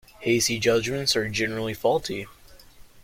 Hasty judgements are generally faulty.